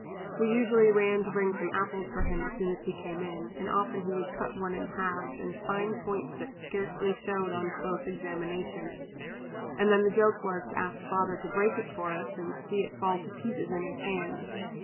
We usually ran to bring some apples for him as soon as he came in, and often he would cut one in halves in fine points that scarcely showed on close examination, and then the joke was to ask Father to break it for us and see it fall to pieces in his hands.